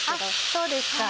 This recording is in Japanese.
そうですか。